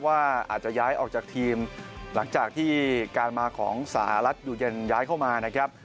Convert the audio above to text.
ว่าอาจจะย้ายออกจากทีมหลังจากที่การมาของสหรัฐอยู่เย็นย้ายเข้ามานะครับ